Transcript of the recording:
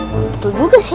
betul juga sih